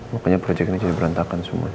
makanya proyek ini jadi berantakan semuanya